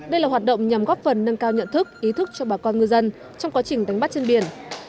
đây là hoạt động nhằm góp phần nâng cao nhận thức ý thức cho bà con ngư dân trong quá trình đánh bắt trên biển